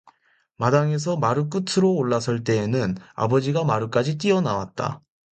마당에서 마루 끝으로 올라설 때에는 아버지가 마루까지 뛰어나왔다.